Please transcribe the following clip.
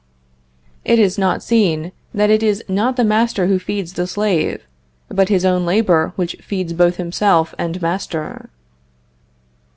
It is not seen that it is not the master who feeds the slave, but his own labor which feeds both himself and master.